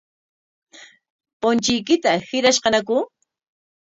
¿Punchuykita hirashqañaku?